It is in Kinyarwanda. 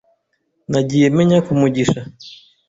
Nagiye menya Kamugisha.